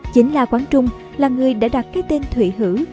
chính la quán trung là người đã đặt cái tên thủy hữ